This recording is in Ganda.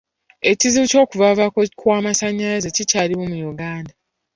Ekizibu ky'okuvaavaako kw'amasannyalaze kikyaliwo mu Uganda.